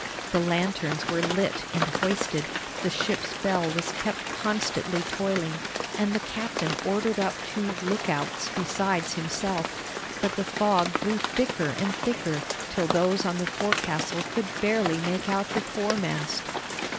The lanterns were lit and hoisted, the ship's bell was kept constantly tolling, and the captain ordered up two "look outs" besides himself; but the fog grew thicker and thicker, till those on the forecastle could barely make out the foremast.